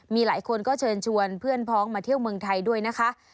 มีหลายคนก็เชิญชวนเพื่อนพ้องมาเที่ยวเมืองไทยด้วยนะคะ